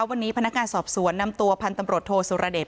วันนี้พนักงานสอบสวนนำตัวพันธ์ตำรวจโทสุรเดช